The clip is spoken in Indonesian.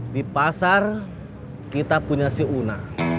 di pasar kita punya si una